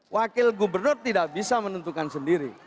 wakil gubernur tidak bisa menentukan sendiri